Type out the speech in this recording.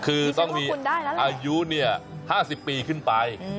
คือต้องมีอายุ๕๐ปีขึ้นไป